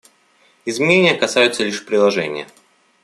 Изменения касаются лишь приложения.